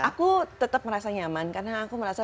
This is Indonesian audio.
aku tetap merasa nyaman karena aku merasa